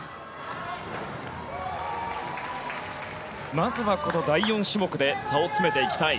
まずは第４種目で差を詰めていきたい。